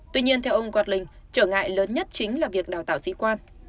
tuy nhiên theo ông wardlin trở ngại lớn nhất chính là việc đào tạo sĩ quan